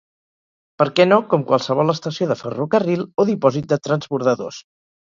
Per què no com qualsevol estació de ferrocarril o dipòsit de transbordadors.